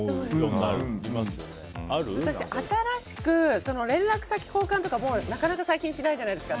私、新しく連絡先交換とかなかなか最近しないじゃないですか。